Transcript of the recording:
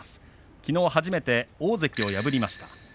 きのう初めて大関を破りました。